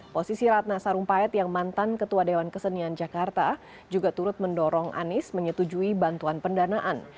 posisi ratna sarumpayat yang mantan ketua dewan kesenian jakarta juga turut mendorong anies menyetujui bantuan pendanaan